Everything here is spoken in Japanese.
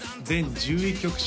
全１１曲